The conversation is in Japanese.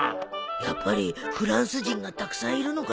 やっぱりフランス人がたくさんいるのかな？